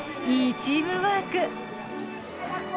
いいチームワーク。